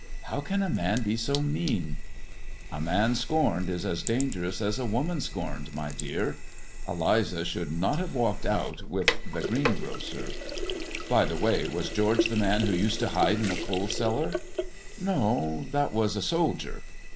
How can a man be so mean !"A man scorned is as dangerous as a woman my dear. Eliza should not have ' walked out ' with greengrocer. By the way, was George the man who to hide in the coal cellar 1 " "No, that was a soldier."